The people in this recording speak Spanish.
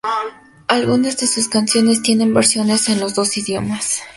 Algunas de sus canciones tienen versiones en los dos idiomas.